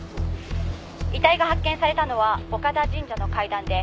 「遺体が発見されたのは岡田神社の階段で」